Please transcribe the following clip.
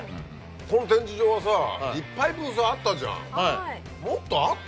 この展示場はさいっぱいブースあったじゃん。